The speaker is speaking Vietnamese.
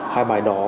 hai bài đó